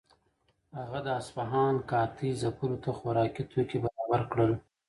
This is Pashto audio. هغه د اصفهان قحطۍ ځپلو ته خوراکي توکي برابر کړل.